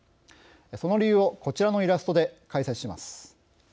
その理由をこちらのイラストで解説します。